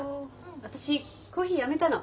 私コーヒーやめたの。